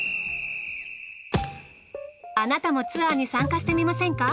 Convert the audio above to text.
あなたもツアーに参加してみませんか？